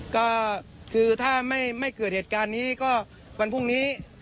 ก็คือถ้าไม่เกิดเหตุการณ์นี้ก็วันพรุ่งนี้